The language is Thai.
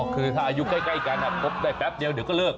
คือถ้าอายุใกล้กันพบได้แป๊บเดียวเดี๋ยวก็เลิก